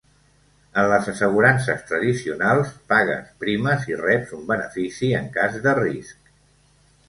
En les assegurances tradicionals, pagues primes i reps un benefici en cas de risc.